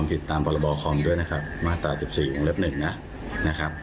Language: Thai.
มาตรา๑๔ของเล็บ๑นะครับ